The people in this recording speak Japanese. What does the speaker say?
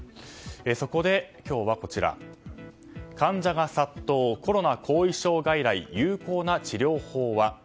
そこで、今日は患者が殺到、コロナ後遺症外来有効な治療法は？